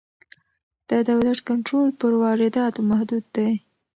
د دولت کنټرول پر وارداتو محدود دی.